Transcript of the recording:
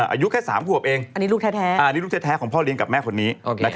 อายุแค่๓ขวบเองอันนี้ลูกแท้ของพ่อเลี้ยงกับแม่คนนี้